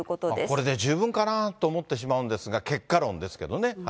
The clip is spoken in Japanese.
これで十分かなと思ってしまうんですが、結果論ですけどね。